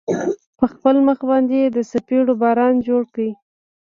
په خپل مخ باندې يې د څپېړو باران جوړ کړ.